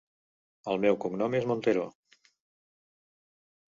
El meu cognom és Montero.